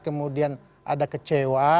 kemudian ada kecewa